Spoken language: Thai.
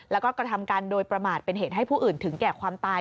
แล้วก็กระทำการโดยประมาทเป็นเหตุให้ผู้อื่นถึงแก่ความตาย